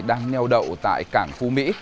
đang nheo đậu tại cảng phú mỹ